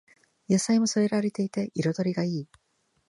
野菜も添えられていて彩りがいい